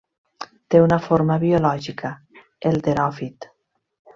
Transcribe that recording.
Té una forma biològica: el teròfit.